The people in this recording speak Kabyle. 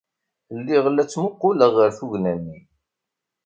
Lliɣ la ttmuqquleɣ ɣer tugna-nni.